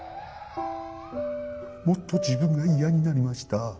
もっと自分が嫌になりました。